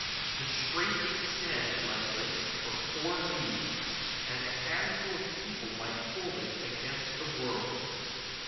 The strait extends like this for four leagues, and a handful of people might hold it against all the world.